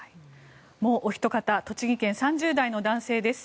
もうお一方栃木県３０代の男性です。